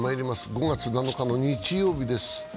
５月７日日曜日です。